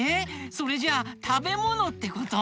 それじゃあたべものってこと？